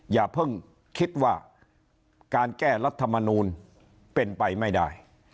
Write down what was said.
อย่าเพิ่งคิดว่าการแก้รัฐมนูลเป็นไปไม่ได้